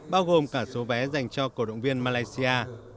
bao gồm cả số vé dành cho cổ động viên malaysia